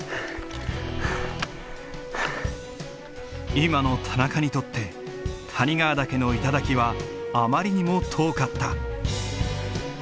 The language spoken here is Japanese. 今の田中にとって谷川岳の頂はあまりにも遠かった。